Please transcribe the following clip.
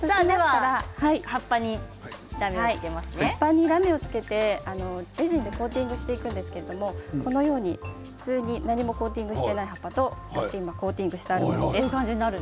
葉っぱにラメをつけてレジンでコーティングしていくんですけれども普通に何もコーティングしていない葉っぱとコーティングしてあるものです。